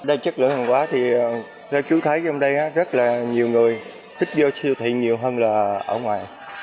đây chất lượng hàng hóa thì chú thấy trong đây rất là nhiều người thích vô siêu thị nhiều hơn là ở ngoài